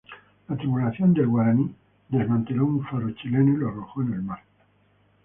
La tripulación del "Guaraní" desmanteló un faro chileno y lo arrojó en el mar.